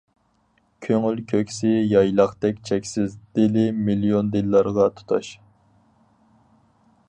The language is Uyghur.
كۆڭۈل كۆكسى يايلاقتەك چەكسىز، دىلى مىليون دىللارغا تۇتاش.